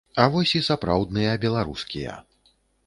А вось і сапраўдныя беларускія.